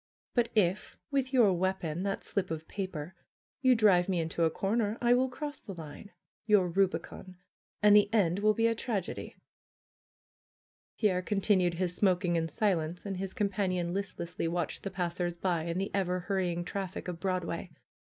But if, with your weapon, that slip of paper, you drive me into a corner, I will cross the line, your rubicon, and the end will be a tragedy." Pierre continued his smoking in silence and his com panion listlessly watched the passers by and the ever hurrying traffic of Broadway.